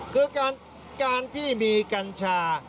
คือการที่มีกัญชา